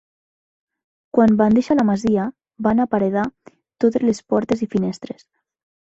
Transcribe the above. Quan van deixar la masia, van aparedar totes les portes i finestres.